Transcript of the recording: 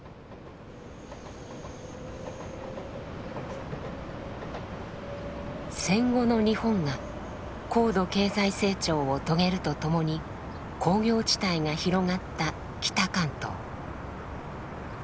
これが一つの戦後の日本が高度経済成長を遂げるとともに工業地帯が広がった北関東。